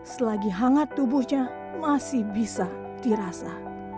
selagi hangat tubuhnya masih bisa dirasa